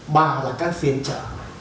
ba là các phiên trợ